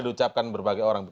sudah diucapkan berbagai orang